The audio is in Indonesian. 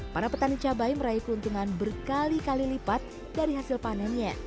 para petani cabai meraih keuntungan berkali kali lipat dari hasil panennya